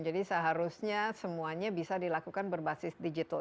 jadi seharusnya semuanya bisa dilakukan berbasis digital